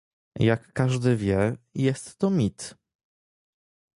Jak każdy wie, jest to mit